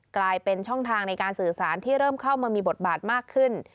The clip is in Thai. กลายเป็นช่องทางในการสื่อสารที่เริ่มเข้ามามีบทบาทมากขึ้น